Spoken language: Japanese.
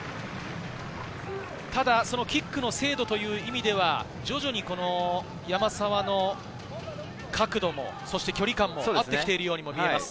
ただ、キックの精度という意味では徐々に山沢の角度も距離感も合ってきているように見えます。